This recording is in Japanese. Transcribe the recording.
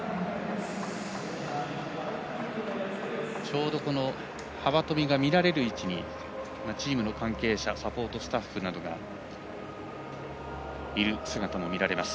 ちょうど幅跳びの見られる位置にチームの関係者サポートスタッフなどがいる姿も見られます。